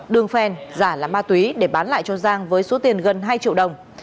đường phen giả là ma túy để bán lại cho giang với số tiền gần hai triệu đồng